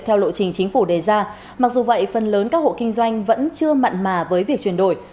theo lộ trình chính phủ đề ra mặc dù vậy phần lớn các hộ kinh doanh vẫn chưa mặn mà với việc chuyển đổi